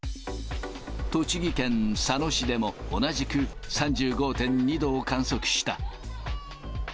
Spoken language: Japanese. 栃木県佐野市でも、同じく３５．２度を観測した。